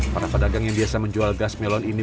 para pedagang yang biasa menjual gas melon ini